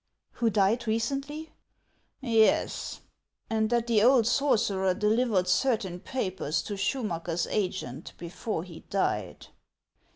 " Who died recently ?" "Yes; and that the old sorcerer delivered certain papers to Schuniacker's agent before he died."